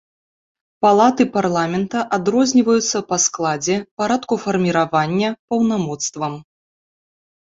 Палаты парламента адрозніваюцца па складзе, парадку фарміравання, паўнамоцтвам.